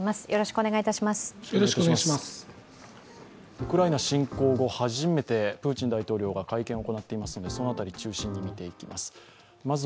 ウクライナ侵攻後、初めてプーチン大統領が会見を行っていますのでその辺り中心に見ていきます。